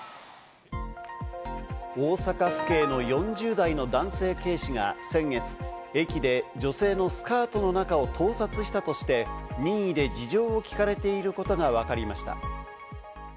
大阪府警の４０代の男性警視が先月、駅で女性のスカートの中を盗撮したとして、任意で事情を聞かれていることがわかりました。